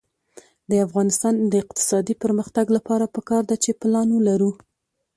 د افغانستان د اقتصادي پرمختګ لپاره پکار ده چې پلان ولرو.